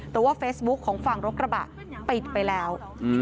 แต่ว่าเฟซบุ๊คของฝั่งรถกระบะปิดไปแล้ว